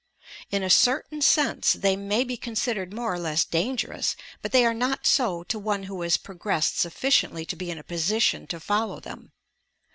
In a certain sense they may be considered more or less dan gerous, but they are not so to one who has progressed sufficiently to be in a position to follow them.